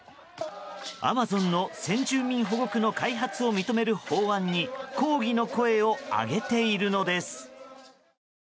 アマゾンの先住民保護区の開発を認める法案に抗議の声を上げているのです。